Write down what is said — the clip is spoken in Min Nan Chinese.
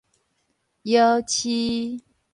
育飼